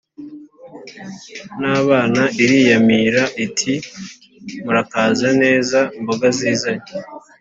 n’abana iriyamira iti: “murakaza neza mboga zizanye!